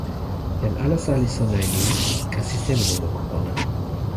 jan alasa li sona e ni: kasi seme li moku pona.